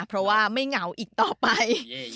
เพราะว่าไม่เหงาอีกต่อไป